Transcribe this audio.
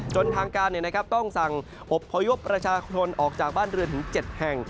ทางการต้องสั่งอบพยพประชาชนออกจากบ้านเรือถึง๗แห่ง